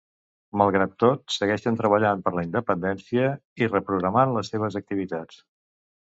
Malgrat tot, segueixen treballant per la independència i reprogramant les seves activitats.